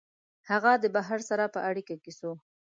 هغه د بهر سره په اړیکه کي سو